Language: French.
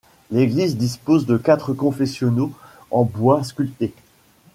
L'église dispose de quatre confessionnaux en bois sculpté.